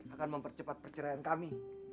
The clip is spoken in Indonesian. akan mempercepat perceraian kami